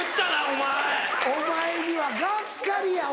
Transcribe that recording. お前にはがっかりやわ。